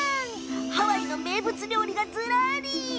ハワイの名物料理がずらり。